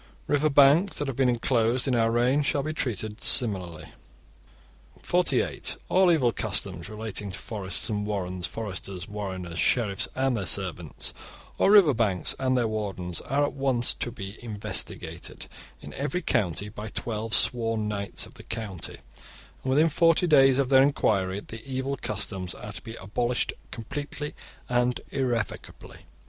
River banks that have been enclosed in our reign shall be treated similarly. (48) All evil customs relating to forests and warrens, foresters, warreners, sheriffs and their servants, or river banks and their wardens, are at once to be investigated in every county by twelve sworn knights of the county, and within forty days of their enquiry the evil customs are to be abolished completely and irrevocably.